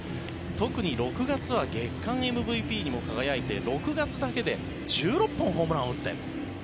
特に６月は月間ＭＶＰにも輝いて６月だけで１６本、ホームランを打って。